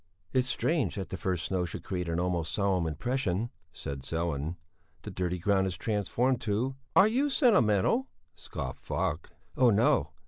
"It's strange that the first snow should create an almost solemn impression," said Sellén. "The dirty ground is transformed to...." "Are you sentimental?" scoffed Falk. "Oh, no!